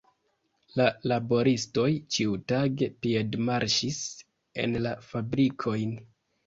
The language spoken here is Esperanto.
La laboristoj ĉiutage piedmarŝis en la fabrikojn.